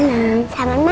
selamat malam ma